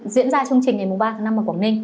diễn ra chương trình ngày ba tháng năm